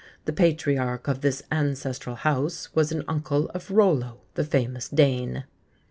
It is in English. The patriarch of this ancestral house was an uncle of Rollo, the famous Dane...."